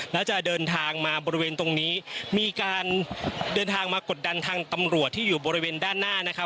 แล้วจะเดินทางมาบริเวณตรงนี้มีการเดินทางมากดดันทางตำรวจที่อยู่บริเวณด้านหน้านะครับ